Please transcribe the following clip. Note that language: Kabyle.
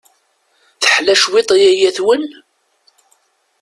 Teḥla cwiṭ yaya-twen?